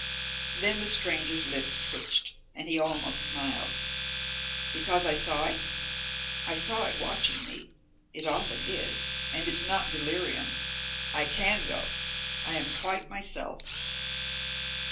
Then the stranger's lips twitched and he almost smiled. "Because I saw it? I saw it watching me. It often is, and it's not delirium. I can go. I am quite myself."